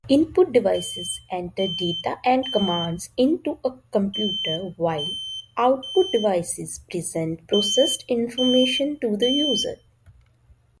European Foundation for the Improvement of Living and Working Conditions.